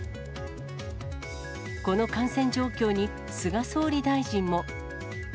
この感染状況に、菅総理大臣も。